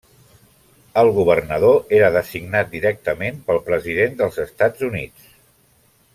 El governador era designat directament pel President dels Estats Units.